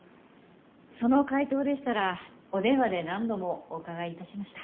その回答でしたらお電話で何度もお伺いいたしました。